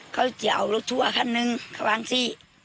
เค้าจะเอารถทัวร์คันหนึ่งเค้าวางสิ